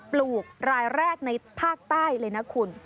ปลูกรายแรกในภาคใต้เลยนะคุณ